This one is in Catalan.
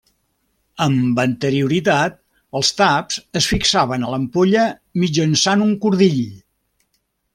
Amb anterioritat, els taps es fixaven a l'ampolla mitjançant un cordill.